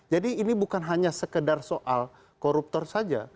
ini bukan hanya sekedar soal koruptor saja